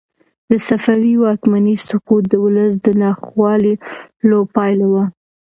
د صفوي واکمنۍ سقوط د ولس د ناخوالو پایله وه.